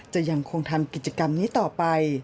จะยังคงทำกิจกรรมนี้ต่อไป